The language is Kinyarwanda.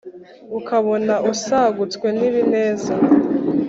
Ukabona usagutswe n'ibineza;